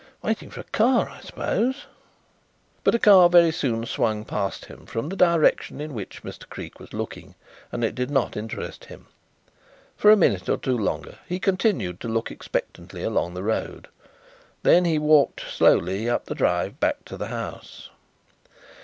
Waiting for a car, I suppose." But a car very soon swung past them from the direction in which Mr. Creake was looking and it did not interest him. For a minute or two longer he continued to look expectantly along the road. Then he walked slowly up the drive back to the house.